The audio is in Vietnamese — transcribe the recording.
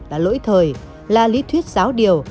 là lỗi thời là lý thuyết giáo điều